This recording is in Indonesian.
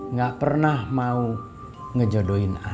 nggak pernah mau ngejodohin